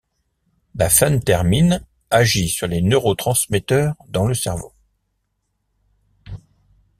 La phentermine agit sur les neurotransmetteurs dans le cerveau.